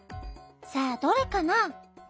さあどれかな？